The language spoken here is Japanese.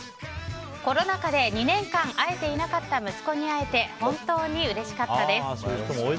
コロナ禍で２年間会えていなかった息子に会えて本当にうれしかったです。